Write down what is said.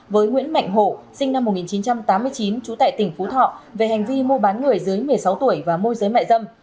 với nguyễn mạnh hộ sinh năm một nghìn chín trăm tám mươi chín trú tại tỉnh phú thọ về hành vi mua bán người dưới một mươi sáu tuổi và môi giới mại dâm